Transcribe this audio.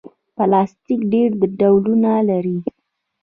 پلاستيک ډېر ډولونه لري.